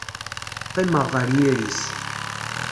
Qqimeɣ ɣer yiri-s.